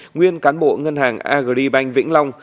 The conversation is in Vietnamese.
nguyên cán bộ ngân hàng agribank vĩnh long